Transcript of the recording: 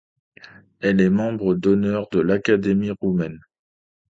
Elle est membre d'honneur de l'Académie roumaine.